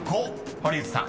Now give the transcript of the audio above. ［堀内さん］